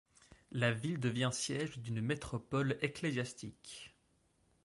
La ville devient siège d'une métropole ecclésiastique.